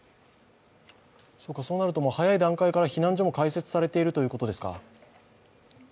そうなると早い段階から避難所も開設されているということですか？